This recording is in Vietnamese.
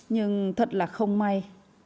nhưng thật là không may